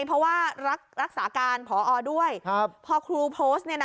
เพราะว่ารักษาการพอด้วยครับพอครูโพสต์เนี่ยนะ